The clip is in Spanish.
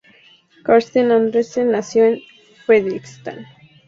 Karsten Andersen nació en Fredrikstad.